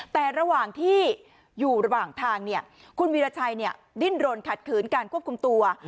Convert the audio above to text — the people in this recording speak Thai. แต่ระหว่างที่อยู่ระหว่างทางคุณวีรชัยดิ้นรนขัดขืนการควบคุมตัว